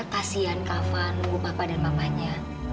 kasian kavan lupa pada bapaknya